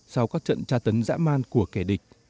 sau các trận tra tấn dã man của kẻ địch